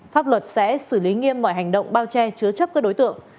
pháp luật sẽ xử lý nghiêm mọi hành động bao che chứa chấp các đối tượng